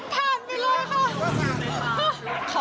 ผ่านไปเลยค่ะ